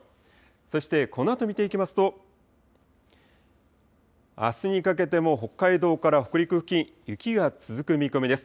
そして、このあと見ていきますと、あすにかけても北海道から北陸付近、雪が続く見込みです。